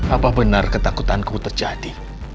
apa benar ketakutanku terjadi